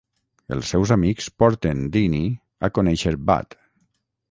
Els seus amics porten Deanie a conèixer Bud.